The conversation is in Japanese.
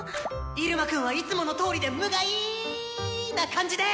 イルマくんはいつものとおりで無害な感じで！